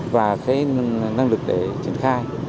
và cái năng lực để triển khai